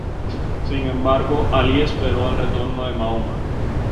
Sin embargo, Alí esperó al retorno de Mahoma.